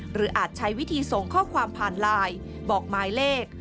อาจใช้วิธีส่งข้อความผ่านไลน์บอกหมายเลข